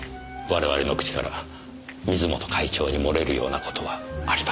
我々の口から水元会長に漏れるような事はありませんから。